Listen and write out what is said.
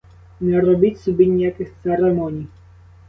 Не робіть собі ніяких церемоній!